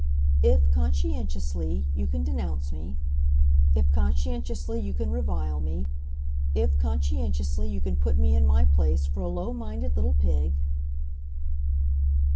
"If, conscientiously, you can denounce me; if, conscientiously, you can revile me; if, conscientiously, you can put me in my place for a low minded little pig